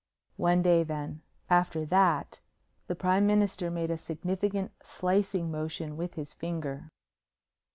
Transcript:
"One day, then. After that " The Prime Minister made a significant slicing motion with his finger.